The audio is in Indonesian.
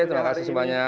terima kasih semuanya